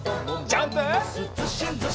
ジャンプ！